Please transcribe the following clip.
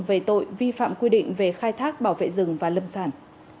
về tội vi phạm quy định về khai thác bảo vệ rừng và lâm sản